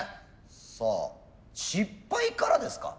さあ失敗からですか？